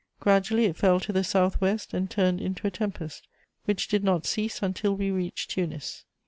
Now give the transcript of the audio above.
Gradually it fell to the south west and turned into a tempest which did not cease until we reached Tunis.